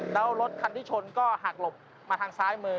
แล้วรถคันที่ชนก็หักหลบมาทางซ้ายมือ